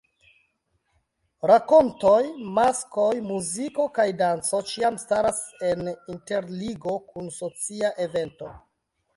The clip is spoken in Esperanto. Rakontoj, maskoj, muziko kaj danco ĉiam staras en interligo kun socia evento.